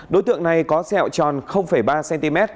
đối tượng này có xeo tròn ba cm